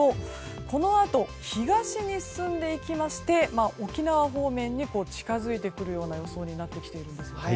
このあと、東に進んでいきまして沖縄方面に近づいてくる予想になってきています。